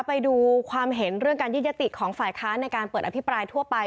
ไปดูความเห็นเรื่องการยืดยติของฝ่ายค้านในการเปิดอภิปรายทั่วไป